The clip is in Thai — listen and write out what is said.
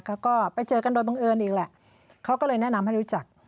เขาก็ไปเจอกันโดยบังเอิญอีกแหละเขาก็เลยแนะนำให้รู้จัก